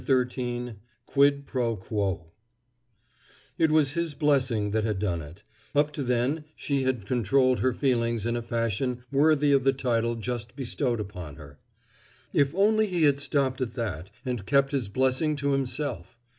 XIII QUID PRO QUO It was his blessing that had done it; up to then she had controlled her feelings in a fashion worthy of the title just bestowed upon her. If only he had stopped at that, and kept his blessing to himself!